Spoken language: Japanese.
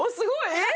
えっ？